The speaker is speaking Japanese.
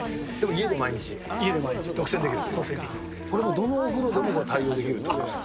どのお風呂でも対応できるということですか。